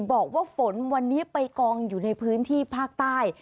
บอกว่าฝนวันนี้ไปกองอยู่ในพื้นที่ภาคใต้